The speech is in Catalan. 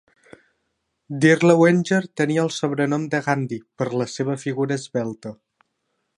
Dirlewanger tenia el sobrenom de "Gandhi" per la seva figura esvelta.